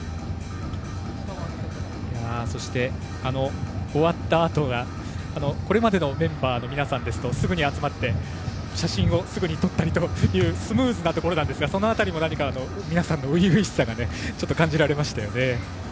そして、終わったあとがこれまでのメンバーの皆さんですとすぐに集まって写真をすぐに撮ったりというスムーズなところなんですがその辺りも皆さんの初々しさがちょっと感じられましたよね。